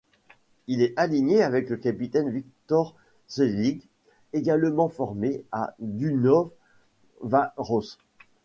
Il est aligné avec le capitaine Viktor Szélig, également formé à Dunaújváros.